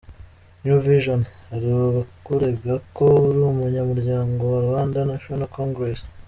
New Vision: Hari abakurega ko uri umunyamuryango wa Rwanda National Congress